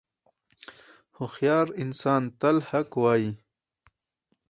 • هوښیار انسان تل حق وایی.